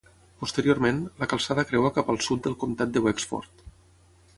Posteriorment, la calçada creua cap al sud del comtat de Wexford.